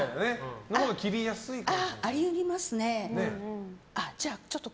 そのほうが切りやすいかもしれない。